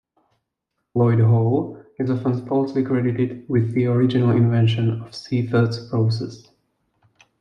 Lloyd Hall is often falsely credited with the original invention of Seifert's process.